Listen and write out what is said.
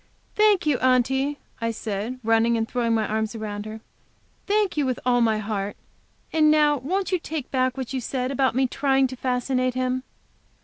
"Thank you, Aunty," I said, running and throwing my arms around her; "thank you with all my heart. And now won't you take back what you said about my trying to fascinate him?"